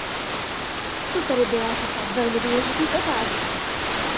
To tedy byla řada velmi důležitých otázek.